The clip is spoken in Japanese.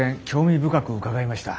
深く伺いました。